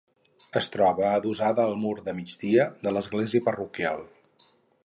Es troba adossada al mur de migdia de l'església parroquial.